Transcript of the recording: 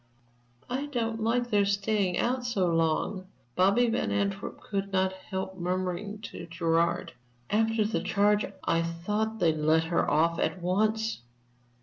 "I don't like their staying out so long," Bobby Van Antwerp could not help murmuring to Gerard. "After the charge, I thought they'd let her off at once.